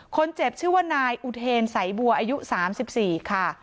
คนเจ็บชื่อว่านายอุเทนสายบัวอายุ๓๔ค่ะ